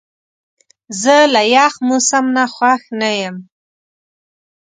زه له یخ موسم نه خوښ نه یم.